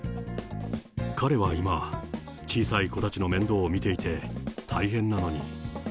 彼は今、小さい子たちの面倒を見ていて大変なのに。